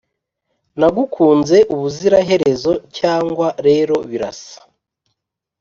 nagukunze ubuziraherezo, cyangwa rero birasa.